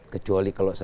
kecuali kalau saya